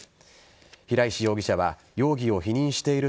平石容疑者は容疑を否認している